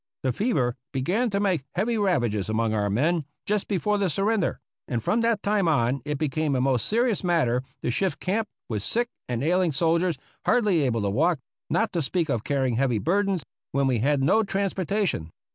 The fever began to make heavy ravages among our men just before the surrender, and from that time on it became a most serious matter to shift camp, with sick and ailing soldiers, hardly able to walk — not to speak of carrying heavy burdens — when we had no transportation.